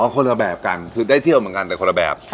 คนละแบบกันคือได้เที่ยวเหมือนกันแต่คนละแบบ